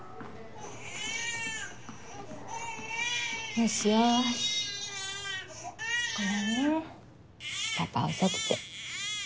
よしよしごめんねパパ遅くて。